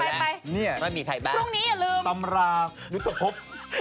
ไปแล้วเดี๋ยวไปดูละมีใครบ้างตำราอยุธภพ